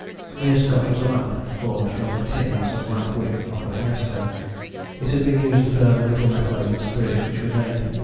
Near Scott was a lamp formed from a tin and some lamp wick off a finnesko. It had been used to burn the little methylated spirit which remained.